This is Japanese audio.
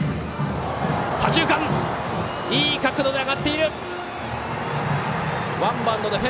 左中間、いい角度で上がった！